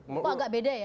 pak agak beda ya